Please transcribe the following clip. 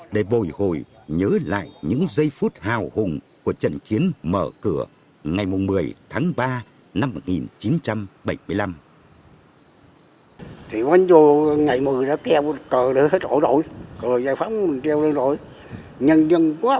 để bồi hồi nhớ lại những giây phút hào hùng của trận chiến mở cửa ngày một mươi tháng ba năm một nghìn chín trăm bảy mươi năm